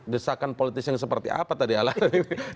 desakan politis yang seperti apa tadi alatnya